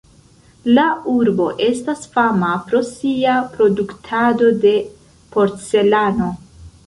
La urbo estas fama pro sia produktado de porcelano.